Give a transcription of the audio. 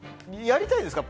やりたいですか？